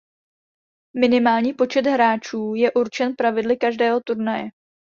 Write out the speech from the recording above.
Minimální počet hráčů je určen pravidly každého turnaje.